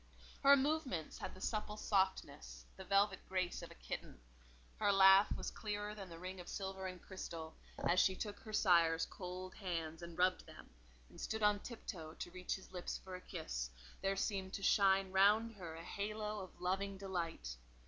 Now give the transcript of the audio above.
Her movements had the supple softness, the velvet grace of a kitten; her laugh was clearer than the ring of silver and crystal; as she took her sire's cold hands and rubbed them, and stood on tiptoe to reach his lips for a kiss, there seemed to shine round her a halo of loving delight.